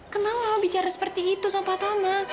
kenapa bicara seperti itu sama tama